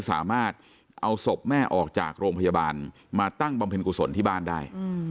สามารถเอาศพแม่ออกจากโรงพยาบาลมาตั้งบำเพ็ญกุศลที่บ้านได้